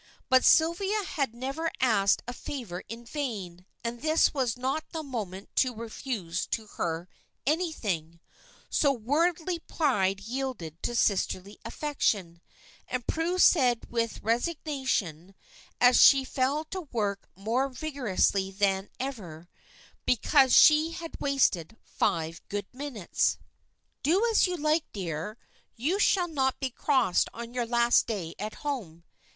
But Sylvia had never asked a favor in vain, and this was not the moment to refuse to her anything, so worldly pride yielded to sisterly affection, and Prue said with resignation, as she fell to work more vigorously than ever, because she had wasted five good minutes "Do as you like, dear, you shall not be crossed on your last day at home.